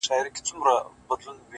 خيالاتو د حالاتو د دې سوال الهام راکړی!